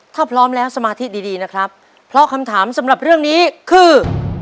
ถ้าพร้อมแล้วสมาธิดีดีนะครับเพราะคำถามสำหรับเรื่องนี้คือ